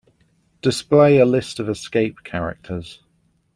Display a list of escape characters.